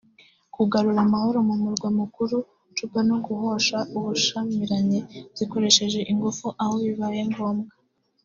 kugarura amahoro mu murwa mukuru Juba no guhosha ubushyamirane zikoresheje ingufu aho bibaye ngombwa